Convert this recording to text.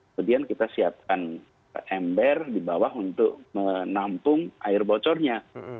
kemudian kita siapkan ember di bawah untuk menampung air bocornya